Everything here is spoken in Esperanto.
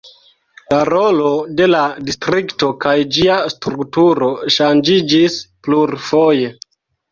La rolo de la distrikto kaj ĝia strukturo ŝanĝiĝis plurfoje.